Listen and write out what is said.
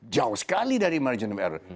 jauh sekali dari margin error